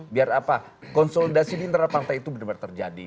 biar apa konsolidasi di internal partai itu benar benar terjadi